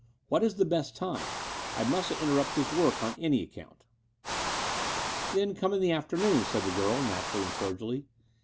What is his best time? I mustn't interrupt his work on any account." ''Then come in the afternoon/' said the girl naturally and cordially.